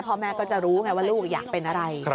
พ่อแม่ก็จะรู้ไงว่าลูกอยากเป็นอะไร